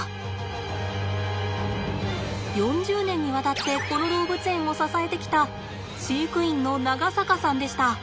４０年にわたってこの動物園を支えてきた飼育員の長坂さんでした。